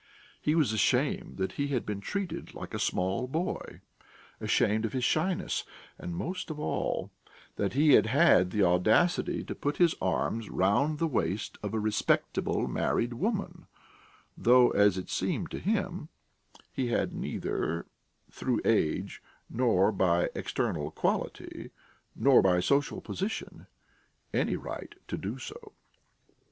He was ashamed that he had been treated like a small boy, ashamed of his shyness, and, most of all, that he had had the audacity to put his arms round the waist of a respectable married woman, though, as it seemed to him, he had neither through age nor by external quality, nor by social position any right to do so.